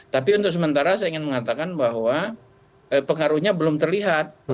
tapi untuk sementara saya ingin mengatakan bahwa pengaruhnya belum terlihat